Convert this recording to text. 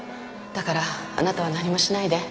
だからあなたは何もしないで。